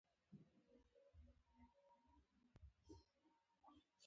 بیا له هغوی سره اخ و ډب کوي.